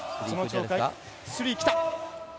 スリーきた！